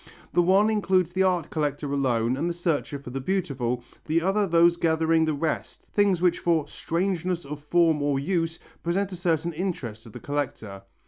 The one includes the art collector alone and the searcher for the beautiful, the other those gathering the rest, things which for "strangeness of form or use" present a certain interest to the collector.